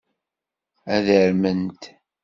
Ad arment.